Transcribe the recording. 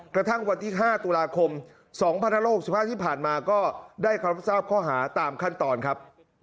กระทั่งวันที่๕ตุลาคม๒๕๖๕ที่ผ่านมาก็ได้รับทราบข้อหาตามขั้นตอนครับ